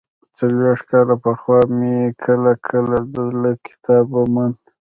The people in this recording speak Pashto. څلوېښت کاله پخوا به مې کله کله د زړه کتاب وموند.